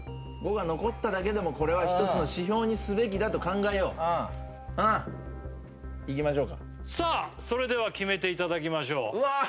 ５が残っただけでもこれは一つの指標にすべきだと考えよううんいきましょうかさあそれでは決めていただきましょううわ